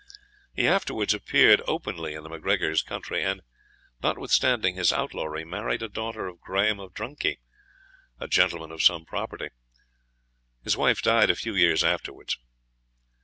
He afterwards appeared openly in the MacGregor's country; and, notwithstanding his outlawry, married a daughter of Graham of Drunkie, a gentleman of some property. His wife died a few years afterwards.